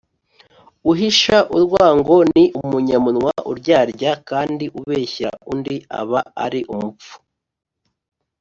uhisha urwango ni umunyamunwa uryarya, kandi ubeshyera undi aba ari umupfu